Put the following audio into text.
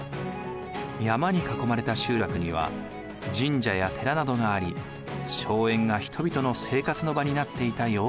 山に囲まれた集落には神社や寺などがあり荘園が人々の生活の場になっていた様子が分かります。